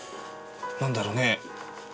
なんだろうね。